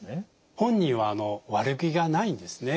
本人は悪気がないんですね。